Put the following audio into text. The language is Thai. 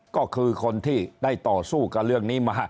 ก็คือคนที่ได้ต่อสู้กับเรื่องนี้มา